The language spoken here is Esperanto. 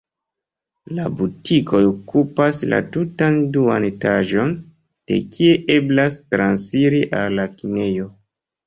La butikoj okupas la tutan duan etaĝon, de kie eblas transiri al la kinejo.